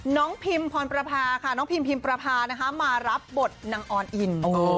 น้องพิมพรพามารับบทนางออนอิน